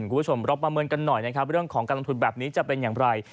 คุณผู้ชมเราประเมินกันหน่อยนะครับเรื่องของการลงทุนแบบนี้จะเป็นอย่างไร